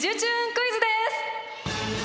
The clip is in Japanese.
クイズです！